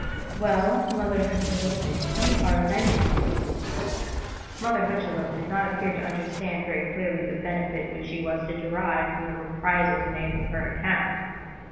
"Well, Mother Hucheloup, we are avenging you." Mother Hucheloup did not appear to understand very clearly the benefit which she was to derive from these reprisals made on her account.